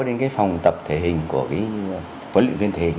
đến cái phòng tập thể hình của cái huấn luyện viên thể hình